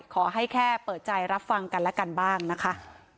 ขอให้แค่เปิดใจรับฟังกันและกันบ้างนะคะ